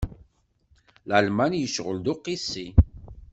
Lalman yecɣel d uqisi.